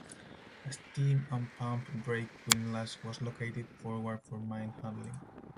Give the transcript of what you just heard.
A steam and pump brake windlass was located forward for mine handling.